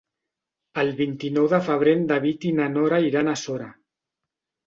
El vint-i-nou de febrer en David i na Nora iran a Sora.